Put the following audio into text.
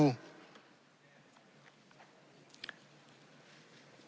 ที่๑๒